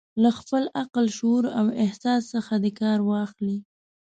له خپل عقل، شعور او احساس څخه دې کار واخلي.